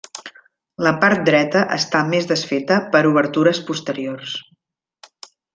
La part dreta està més desfeta per obertures posteriors.